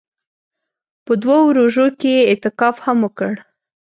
په دوو روژو کښې يې اعتکاف هم وکړ.